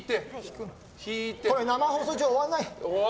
これ生放送中、終わらない。